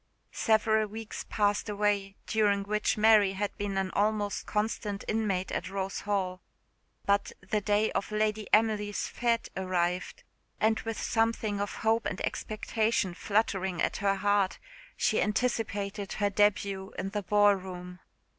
Several weeks passed away, during which Mary had been an almost constant inmate at Rose Hall; but the day of Lady Emily's _fête _arrived, and with something of hope and expectation fluttering at her heart, she anticipated her debut in the ball room.